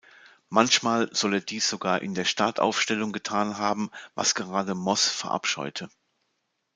Manchmal soll er dies sogar in der Startaufstellung getan haben, was gerade Moss verabscheute.